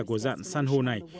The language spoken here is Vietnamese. của dạng san hô này